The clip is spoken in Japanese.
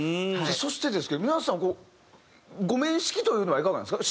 そしてですけど皆さんご面識というのはいかがなんですか？